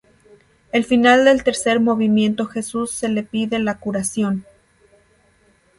El final del tercer movimiento Jesús se le pide la curación.